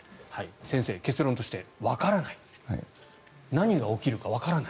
先生、結論として何が起きるかわからない。